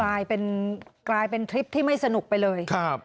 โอ้โหกลายเป็นทริปที่ไม่สนุกไปเลย